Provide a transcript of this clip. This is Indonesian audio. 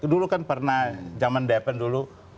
dulu kan pernah zaman daphen dulu